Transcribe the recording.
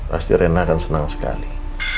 pasti rena akan senang sekali